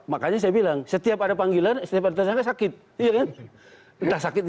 makanya saya bilang setiap ada panggilan step tersangka sakit